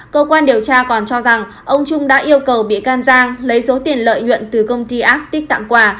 cơ quan điều tra còn cho rằng ông trung đã yêu cầu bị can giang lấy số tiền lợi nhuận từ công ty arctic tạm quà